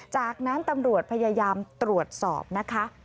จากนั้นตำรวจพยายามตรวจสอบนะคะ